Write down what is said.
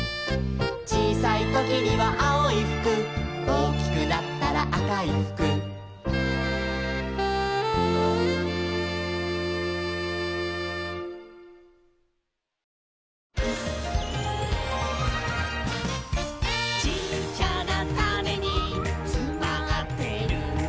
「ちいさいときにはあおいふく」「おおきくなったらあかいふく」「ちっちゃなタネにつまってるんだ」